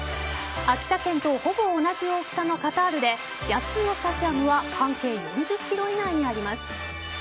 秋田県とほぼ同じ大きさのカタールで８つのスタジアムは半径４０ｋｍ以内にあります。